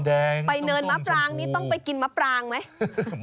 นี่ไปเนิ่นนมพรางนี่ต้องไปกินมพรางไหม